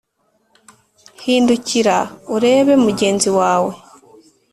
hindukira urebe mugenzi wawe